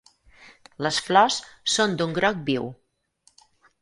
Les flors són d'un groc viu.